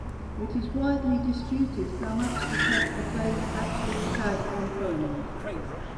It is widely disputed how much effect the plague actually had on Poland.